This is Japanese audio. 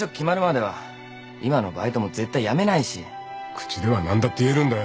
口では何だって言えるんだよ。